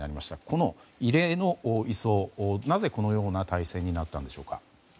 この異例の移送、なぜこのような態勢になったのでしょうか。